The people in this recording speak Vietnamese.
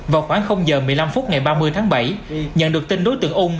vào khoảng giờ một mươi năm phút ngày ba mươi tháng bảy nhận được tin đối tượng ung